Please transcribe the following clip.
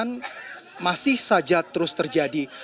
yang masih saja terus terjadi